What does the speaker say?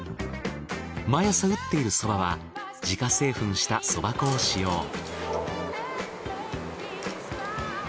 毎朝打っているそばは自家製粉したそば粉を使用。